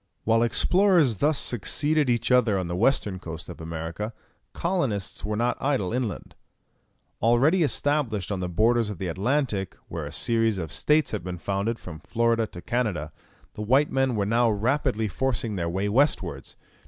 While explorers thus succeeded each other on the western coast of America, colonists were not idle inland. Already established on the borders of the Atlantic, where a series of states had been founded from Florida to Canada, the white men were now rapidly forcing their way westwards.